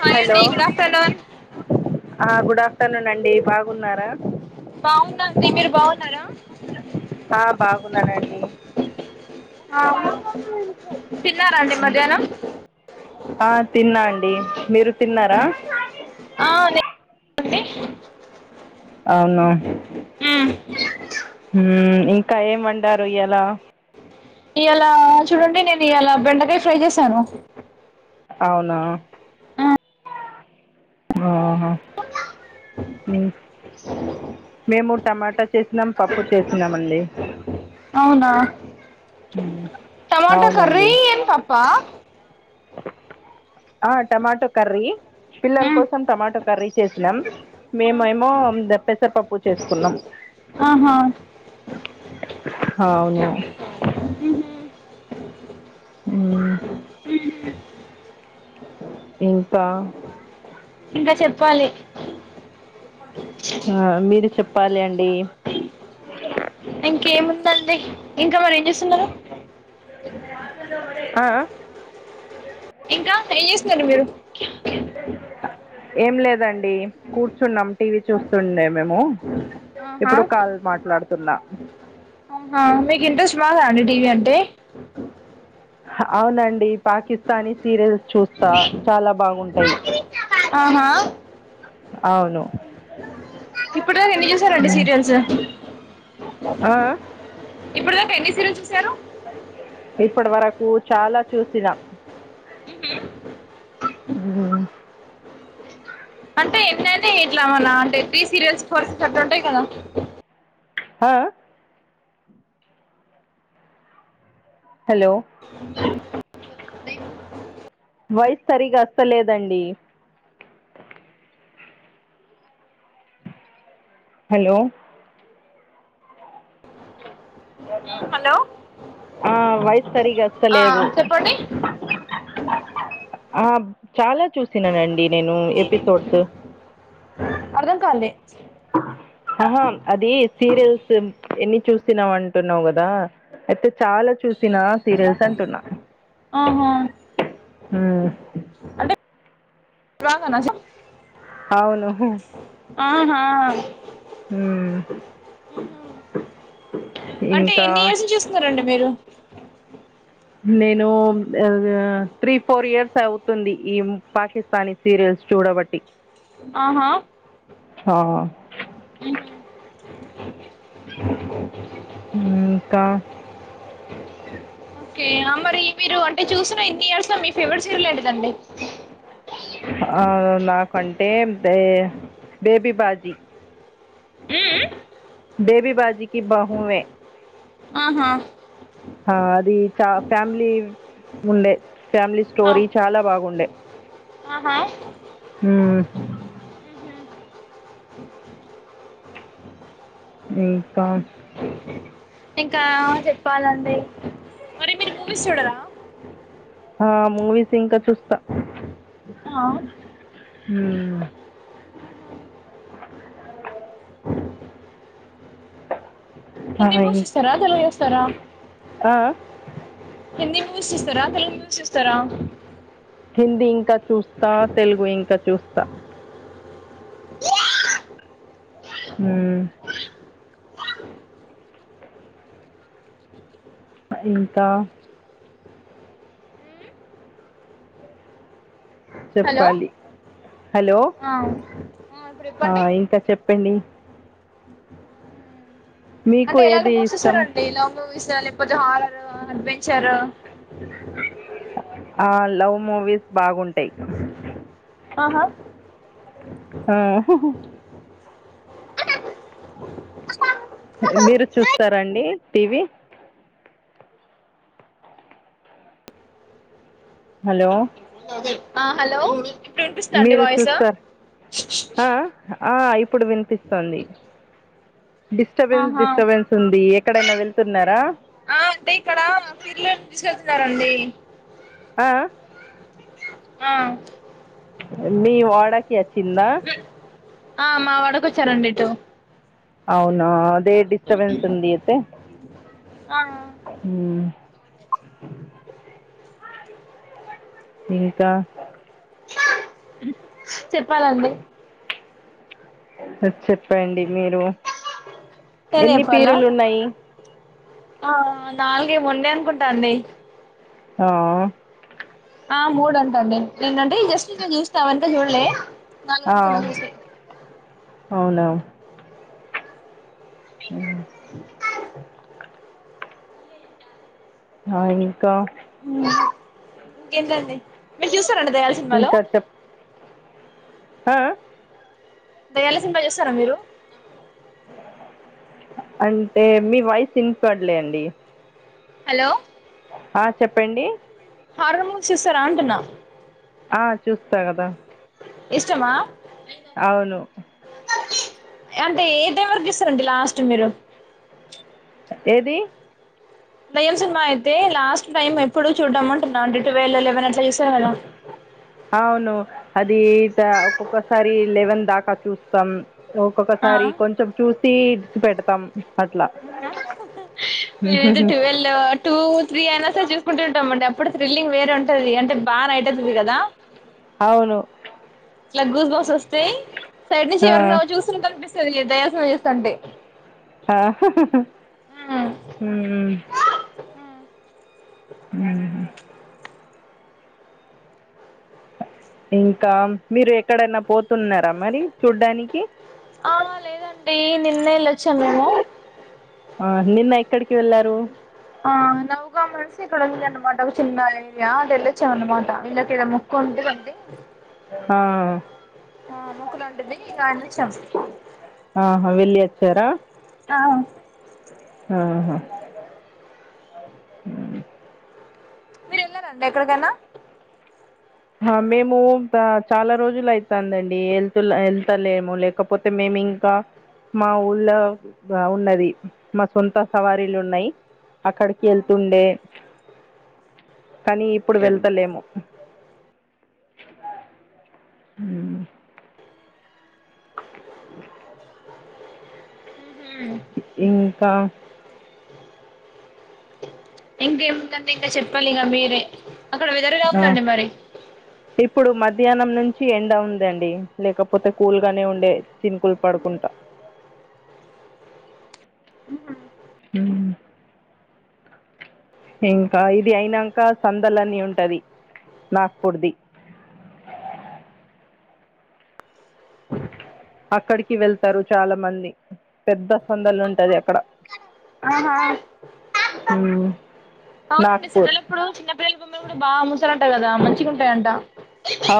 Hi hello అండి good afternoon good afternoon అండి. బాగున్నారా?. బాగుంద దగ్గర బాగున్నారా? ఆ బాగున్నానండి. ఆమ్ తిన్నారాండి మధ్యాహ్నం. ఆ తిన్నాండి మీరు తిన్నారా ఆ నేన్ అండి అవును మ్మ్ ఇంకా ఏం వండారు ఇయ్యాల ఇవాలా చూడండి నేను ఇవాలా బెండకాయ ఫ్రై చేశాను అవునా ఆహ అవు మేము టమాటా చేసినాం పప్పు చేసినామండి అవునా టమాటా కర్రీ ఏం పప్పా ఆ టమాటో కర్రీ పిల్లల మ్మ్ కోసం టమాటో కర్రీ చేసినాం మేమేమో పెసరపప్పు చేసుకున్నాం ఆహా అ అవును ఉ ఇ ఇంకా ఇంకా చెప్పాలి ఆ మీరు చెప్పాలండి ఇంకేముందండి ఇంకా మరేం చేస్తున్నారు ఆ ఇంకా ట్రై చేస్తున్నారు మీరు ఏం లేదండి కూర్చున్నాం టీవీ చూస్తుండే మేము ఆహా ఇప్పుడు కాల్ మాట్లాడుతున్నా ఆమీకు ఇంట్రెస్ట్ బాగా అండి టీవీ అంటే అవునండి పాకిస్తానీ సీరియల్స్ చూస్తా చాలా బాగుంటాయి ఆహా అవును ఇప్పుడు దాకా ఎన్ని చూసారండి ఉమ్. సీరియల్స్ ఆ ఇప్పుడు దాకా ఎన్ని సీరియల్స్ చూసారు ఇప్పటి వరకు చాలా చూసిన హుమ్ హు అంటే ఎన్నన్నిఇట్లా మనఅంటే ప్రీ సీరియల్స్ ఫస్ట్ అట్టఉంటాయి కదా ఆ హలో వాయిసు సరిగా వస్తలేదండి హలో హలో ఆ వాయిస్ సరీగ ఆ చెప్పండి ఆ చాలా చూసినానండి నేను ఎపిసోడ్స్ అర్థం కాలే ఆహా అది సీరియల్స్ ఎన్ని చూసినావ్ అంటె తున్నావు కదా అయితే చాలా చూసినా సీరియల్స్ అంటున్నా ఆహా ఉమ్ అంటే బాగాన అవును ఊ ఆహా ఆ అంటే ఇంకా ఎన్ని ఇయర్స్ చూస్తునరండి మీరు నేను త్రీ ఫోర్ ఇయర్స్ అవుతుంది ఈ పాకిస్తానీ సీరియల్స్ చూడబట్టి అ ఆహా ఆ ఉమ్ ఇంకా ఓకే మరి మీరు అంటే చూసిన ఇన్ని ఇయర్స్ లో మీ ఫేవరెట్ సీరియల్ ఏంటిదండి ఆ నాకంటేే బే బేబీ బాజీ ఉహు బేబీ బాజీకి బహువే ఆహా ఆ అది ఫ్యామిలీ ఉండే ఫ్యామిలీ స్ ఆ ఆహా ఉమ్ ఇంకా ఇంకా చెప్పాలంటే మరి మీరు మూవీస్ చూడరా ఆ మూవీస్ ఇంక చూస్త ఆ ఉమ్ ఆ అని ఇం మూసేస్తారా తెలుగు ఇస్తారా ఆ ఆ హిందీ మూవీస్ చూస్తారా తెలుగు మువీస్ చూస్తారా హిందీ ఇంకా చూస్తా తెలుగు ఇంకా చూస్తా ఉమ్ ఇంకా హలో చెప్పాలి హలో ఆ ఆ ఇంక చెప్పండి మీకు అంటే ఎలాంటి ఏది బుక్స్ ఇష్టం ఇస్తారండి లవ్ మూవీస్ ఆ లేకపోతే హారర్ అడ్వెంచరు ఆ లవ్ మూవీస్ బాగుంటాయి ఆహా ఆ మీరు చూస్తారండి టీవీ హలో ఆ హలో ఇప్పుడు వినిపిస్తాండి మీరు వాయిస్ చూస్తారు ఆ ఆ ఇప్పుడు వినిపిస్తోంది డిస్టబెన్స్ ఆహా డిస్టబెన్స్ ఉంది ఎక్కడైనా వెళ్తున్నారా ఆ అంటే ఇక్కడ పిల్లలు తీసుకెళ్తున్నారండి ఆ ఆ మీ వాడాకి వచ్చింద ఆ మా వాడకొచ్చారండి ఇటు అవునా అదే ఎతే ఆ హ ఇంకా చెప్పాలండి సరీ చెప్పండి మీరు నేనే ఎన్ని చెప్పాల్నా పీరులు ఉన్నాయి ఆ నాలుగే ముండే అనుకుంటాంది ఆ ఆ మూడు అంటాంది ఏందంటే జస్ట్ ఇలా చూస్తావంటే చూడలే నాలుగు ఆ అనుకున్నా చూసి అవునులే అ ఆ ఇంకా ఆ ఇంకేంటండి మీరు చూస్తారండి దయ్యాల సినిమాలు ఇంకా చెప్ ఆ దయ్యాల సినిమా చేస్తారా మీరు అంటే మీ వాయిస్ ఇన్ పడ్లే అండి హలో ఆ చెప్పండి హారమూ సిసేరాఅంటున్న ఆ చూస్తా కదా ఇష్టమా అవును అంటే ఏ టైం వరకు ఇస్తారండి లాస్ట్ మీరు ఏది దయ్యం సినిమా అయితే లాస్ట్ టైం ఎప్పుడు చూడమంటున్నాం అండి ట్వెల్వ్ లెవెన్ అట్లా చేస్తారు కదా అవును అది దా ఒక్కొక్కసారి లెవెన్ దాకా చూస్తాం లో ఆ ఒక్కొక్కసారి కొంచెం చూసి ఇడిసి పెడతాం అట్లా ఆ హా హ మేమైతే టువాల్ దా టూ త్రీ అయినా సరే చేసుకుంటు ఉంటాం అండి అప్పుడు తథ్రిల్లింగ్ వేరే ఉంటాది అంటే బాగా నైట్ అవుతాది కదా అవును ఇలా గూస్ బాక్స్ వస్తే సైడ్ నుంచి ఆ ఎవరైనా చూస్తున్నా కనిపిస్తుంది దయా సినిమా చూస్తా ఉంటే ఆ హ హి ఉమ్. ఉ సరేనా ఇంకా మీరు ఎక్కడనా పోతున్నారా మరి చూడ్డానికి ఆ లేదండి నిన్నే వెళ్లొచ్చాం మేము ఆ నిన్న ఎక్కడికి వెళ్ళారు ఆ నవగాం నుంచి ఇక్కడ ఉంది అనమాట ఒక చిన్న ఏరియా ఆ టెళ్లి వచ్చాం అన్నమాట వీళ్ళకి ఏదో ముక్కు ఉంది బండి అ హా ఆ మూకుల అంటుంది అనుచ్చం. ఆహా వెళ్ళి అచ్చారా ఆహా. మీరేళ్లారండి ఎక్కడికైనా. హ మేము త చాలా రోజులైతందండి ఎల్తు ఏల్తలేము లే. కపోతే మేమింకా. మా ఊళ్లో అ ఉన్నది మా సొంత సవారీలున్నాయ్. అక్కడికి ఏళ్తుండే కనీ ఇప్పుడు వెళ్తలేము. అ హ్మ్. ఇంకా. ఇంకేమింటంటే ఇంకా షేప్పాలిగ మీరే అక్కడ వెదరేల ఉందండి మరి. ఓ ఇప్పుడు మధ్యాహ్నం నుంచి ఎండ ఉందండి లేకపోతే కూల్ గానే ఉండే చినుకులు పడుకుంటా. ఉ ఇంకా ఇది అయినక్క సందలన్ని ఉంటది నాగ్పూడది. అక్కడికి వెళ్తారు చాలా మంది పెద్ద సందలుంటది అక్కడ. ఆహ. హ్మ్. అవునండి చెల్లలప్పుడు చిన్నపిల్లల బొమ్మలు కూడా బాగా అమ్ముతారంటా గదా మంచిగాంటాయంట.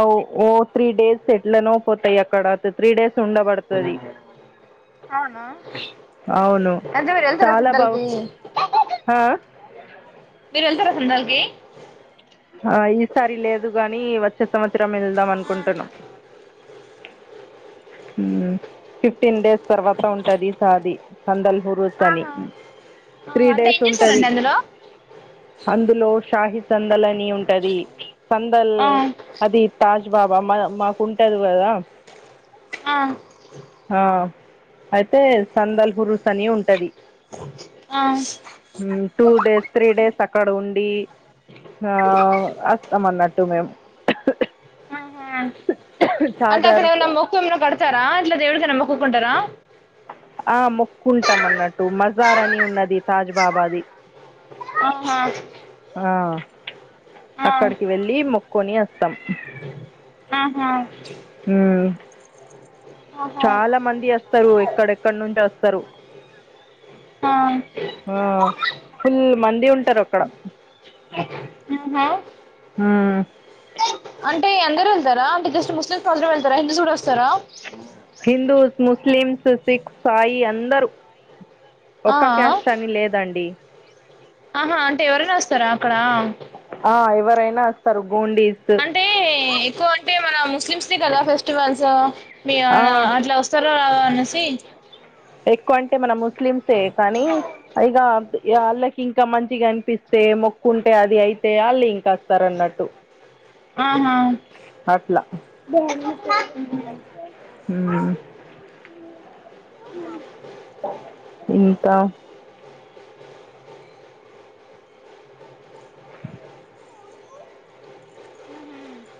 ఓ ఓ త్రీ డేస్ ఎట్లనో పోతాయి అక్కడ త్రీ డేస్ ఉండబడుతది. అవును అవును అయితే మీరేల్తార సందల్కి. అ. మీరేళ్తారా సందల్కి. ఆ ఈసారి లేదు గాని వచ్చే సంవత్సరం వెళ్దాం అనుకుంటున్నాం. హ్మ్. ఫిఫ్టీన్ డేస్ తర్వాత ఉంటది సాది సందల్ హురూస్ అని. ఆ త్రీ అంటే డేస్ ఏం సుంటది. చేస్తారండి అందులో అందులో షాహి సందల్ అని ఉంటది సందల్ ఆ అది. తాజ్ బాబా మన మాకుంటాది గదా. ఆ. ఆ అయితే సందల్ హురుస్ అని ఉంటది. అ ఆస్. హ్మ్ టూ డేస్ త్రీ డేస్ అక్కడ ఉండి. అవ్ వస్తాం మన్నట్టు మేమ్. ఆహా అంటే అక్కడ చాదర్ ఏమైన్నా మోక్కు ఏమన్నా కడతారా అట్లా దేవుడికైనా మోక్కుకుంటారా. ఆ మొక్కుంటాం మన్నట్టు మజార్ అని ఉన్నది తాజ్ బాబాది. అం హా. ఆ అక్కడికి వెళ్ళలి మొక్కొని అస్తాం. ఆహా. హ్మ్. ఆహా చాలా మంది అస్తారు ఎక్కడెక్కడ నుంచి అస్తారు. ఆ. ఆ ఫుల్ మంది ఉంటారు అక్కడ ఆహా హ అంటే ఎం ఇందరు వెళ్తారా అంటే జస్ట్ ముస్లిమ్స్ అందరు వెళ్ళారా హిందూస్ కూడా వస్తారా హిందూస్ ముస్లిమ్స్ సిఖ్ సాయి అందరూ ఆ, ఒక్క క్యాష్ అని లేదండి ఆహా అంటే ఎవరైనా వస్తారా అక్కడ ఆ ఎవరైనా వస్తారు గోండీస్ అంటే ఎక్కువ అంటే మన ముస్లిమ్స్ది కదా ఫెస్టివల్స్ మీ ఆ అట్లా వ సర అనేసి ఎక్కువ అంటే మన ముస్లిమ్సే కానీ ఇగా వాళ్ళకి ఇంకా మంచిగా అనిపిస్తే మొక్కుంటే అది అయితే వాళ్ళు ఇంకా వస్తారున్నట్టు ఆహా అట్లా ఆ ఇంకా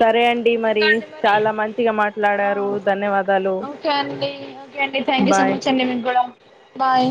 సరే అండి మరి ఇంకా అండి చాలా మంచిగా ఆ, మాట్లాడారు ధన్యవాదాలు ఓకే అండి ఓకే అండి thank you so bye much అండి మీ కూడా బాయ్